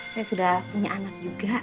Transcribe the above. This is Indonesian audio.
saya sudah punya anak juga